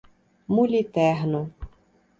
Muliterno